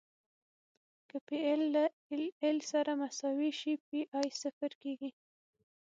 که پی ایل له ایل ایل سره مساوي شي پی ای صفر کیږي